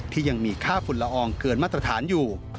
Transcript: ที่ยังมีค่าฝุ่นละอองเกินมาตรฐานอยู่